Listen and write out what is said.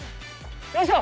よいしょ！